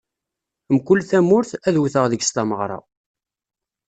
Mkul tamurt, ad wteɣ deg-s tameɣra.